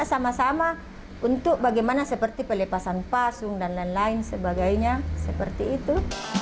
kita sama sama untuk bagaimana seperti pelepasan pasung dan lain lain sebagainya seperti itu